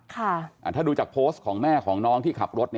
ถ้าดูจากโพสต์ของแม่ของน้องที่ขับรถ